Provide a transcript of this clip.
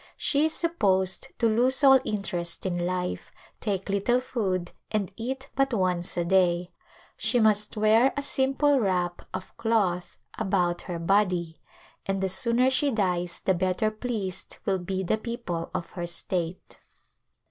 She is supposed to lose all Interest in life, take little food and eat but once a day ; she must wear a simple wrap of cloth about her body, and the sooner she dies the bet ter pleased will be the people of her state.